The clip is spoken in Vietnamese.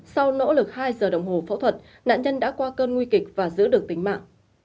sau nỗ lực hai giờ đồng hồ phẫu thuật nạn nhân đã qua cơn nguy kịch và giữ được tính mạng